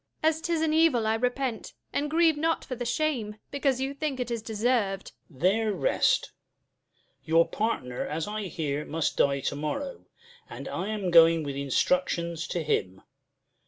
Jul. As 'tis an evil I repent, and grieve not for The shame, because you think it is deserv'd. Duke. There rest. Your partner, as I hear, must die to morrow ; And I am going with instructions to him.